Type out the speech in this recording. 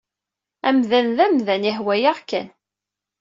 Amdan d amdan, ihwa-yaɣ kan.